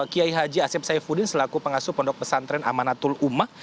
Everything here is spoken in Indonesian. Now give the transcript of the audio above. kiai haji asep saifuddin selaku pengasuh pondok pesantren amanatul umah